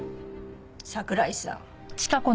桜井さん。